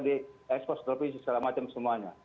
di ekspos terpisih segala macam semuanya